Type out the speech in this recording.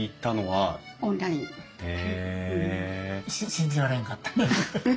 信じられんかった。